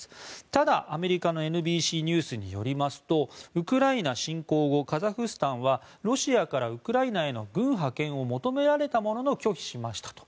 ただ、アメリカのＮＢＣニュースによりますとウクライナ侵攻後カザフスタンはロシアからウクライナへの軍派遣を求められたものの拒否しましたと。